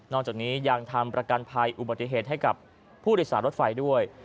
จากนี้ยังทำประกันภัยอุบัติเหตุให้กับผู้โดยสารรถไฟด้วย